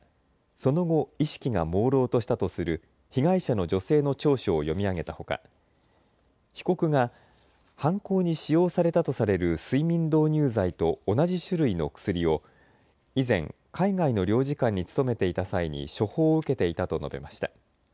その後、意識がもうろうとしたとする被害者の女性の調書を読み上げたほか被告が犯行に使用されたとされる睡眠導入剤と同じ種類の薬を以前、海外の領事館に勤めていた際に処方を受けていたと述べました。